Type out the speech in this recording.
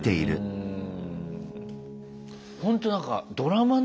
うん。